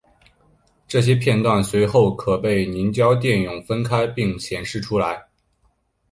这些片断随后可被凝胶电泳分开并显示出来。